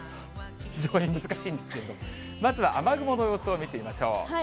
非常に難しいんですけれども、まずは雨雲の様子を見てみましょう。